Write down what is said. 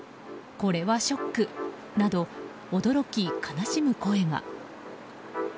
これはショックなど驚き、悲しむ声が。